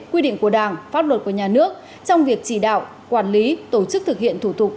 quy định của đảng pháp luật của nhà nước trong việc chỉ đạo quản lý tổ chức thực hiện thủ tục